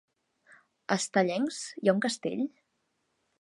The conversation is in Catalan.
A Estellencs hi ha un castell?